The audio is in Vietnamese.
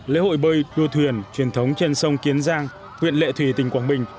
lễ hội bơi đua thuyền truyền thống trên sông kiến giang huyện lệ thủy tỉnh quảng bình